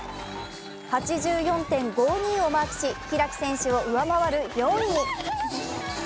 ８４．５２をマークし開選手を上回る４位。